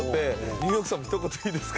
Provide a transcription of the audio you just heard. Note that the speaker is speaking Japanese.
「ニューヨークさんも一言いいですか？」